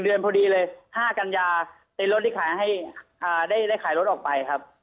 ๑เดือนพอดีเลย๕กัญญาเต็นรถที่ได้ขายรถออกไปครับ